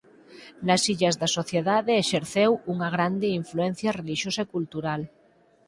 Nas illas da Sociedade exerceu unha grande influencia relixiosa e cultural.